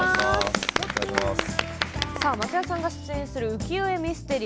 松也さんが出演する「浮世絵ミステリー」。